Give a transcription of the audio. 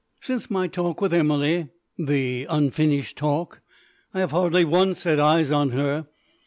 Since my talk with Emily the unfinished talk I have hardly once set eyes on her.